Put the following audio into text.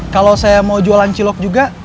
kalau saya mau jualan cilok juga